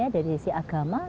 dari sisi agama